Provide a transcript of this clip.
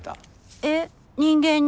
えっ人間に？